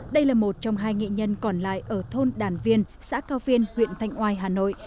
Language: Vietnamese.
đây là một trong hai nghệ nhân còn lại ở thôn đàn viên xã cao viên huyện thanh oai hà nội